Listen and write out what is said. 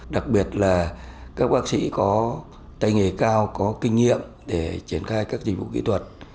đặc biệt là các bác sĩ có tay nghề cao có kinh nghiệm để triển khai các dịch vụ kỹ thuật